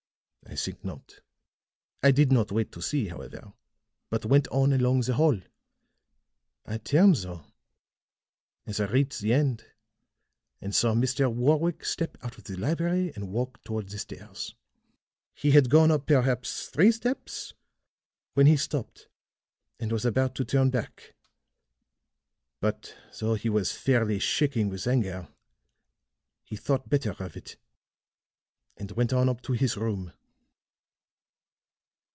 "I think not. I did not wait to see, however, but went on along the hall. I turned, though, as I reached the end, and saw Mr. Warwick step out of the library and walk toward the stairs. He had gone up perhaps three steps when he stopped and was about to turn back; but, though he was fairly shaking with anger, he thought better of it and went on up to his room."